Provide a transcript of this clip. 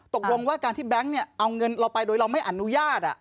ตกลงว่าการที่แบงค์เอาเงินเราไปโดยเราไม่อนุญาต